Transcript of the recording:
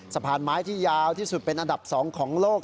สะพานไม้ที่ยาวที่สุดเป็นอันดับ๒ของโลก